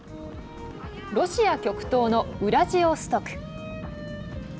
ロシア極東のウラジオストク。